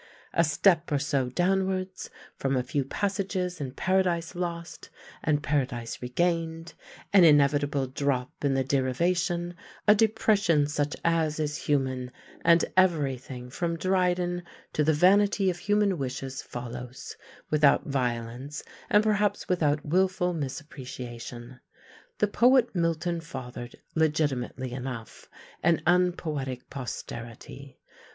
A step or so downwards, from a few passages in "Paradise Lost" and "Paradise Regained," an inevitable drop in the derivation, a depression such as is human, and everything, from Dryden to "The Vanity of Human Wishes," follows, without violence and perhaps without wilful misappreciation. The poet Milton fathered, legitimately enough, an unpoetic posterity.